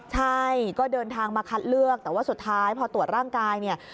ใช่ก็เดินทางมาคัดเลือกแต่ว่าสุดท้ายพอตรวจร่างกายเนี่ย